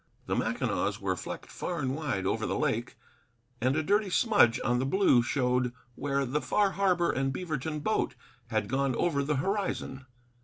The Mackinaws were flecked far and wide over the lake, and a dirty smudge on the blue showed where the Far Harbor and Beaverton boat had gone over the horizon.